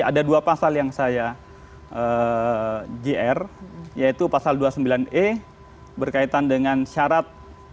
ada dua pasal yang saya jr yaitu pasal dua puluh sembilan e berkaitan dengan syarat